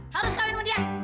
harus kawin sama dia